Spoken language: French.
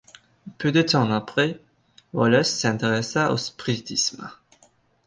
Peu de temps après, Wallace s'intéressa au spiritisme.